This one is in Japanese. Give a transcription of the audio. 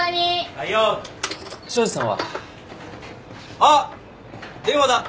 あっ電話だ！